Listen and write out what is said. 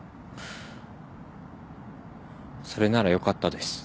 それならよかったです。